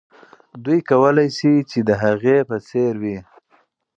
دوی کولای سي چې د هغې په څېر وي.